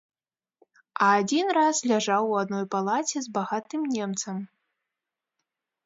А адзін раз ляжаў у адной палаце з багатым немцам.